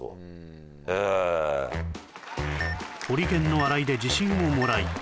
ホリケンの笑いで自信をもらい